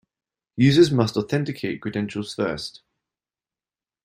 Users must authenticate credentials first.